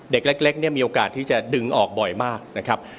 เด็กเล็กเนี่ยมีโอกาสที่จะดึงออกบ่อยมากนะครับ